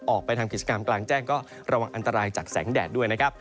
ออกไปทำกิจกรรมกลางแจ้งก็ระวังอันตรายจากแสงแดดด้วยนะครับ